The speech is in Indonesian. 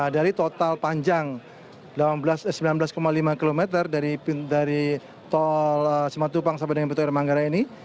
dari total panjang sembilan belas lima km dari tol simatupang sampai dengan pintu air manggarai ini